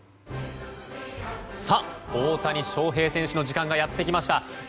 さあ、大谷翔平選手の時間がやってきました。